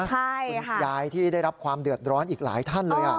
คุณยายที่ได้รับความเดือดร้อนอีกหลายท่านเลย